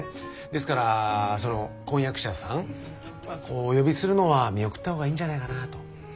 ですからその婚約者さんをお呼びするのは見送ったほうがいいんじゃないかなと。